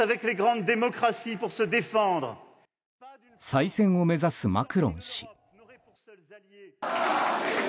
再選を目指すマクロン氏。